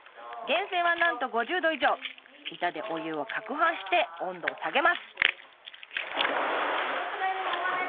源泉はなんと５０℃以上板でお湯をかくはんして温度を下げます